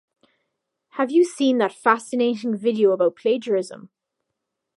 Have you seen that fascinating video about plagiarism?